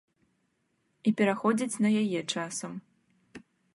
І пераходзяць на яе часам.